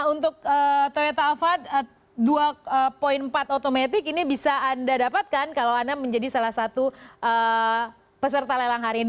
untuk toyota alphard dua empat otomatik ini bisa anda dapatkan kalau anda menjadi salah satu peserta lelang hari ini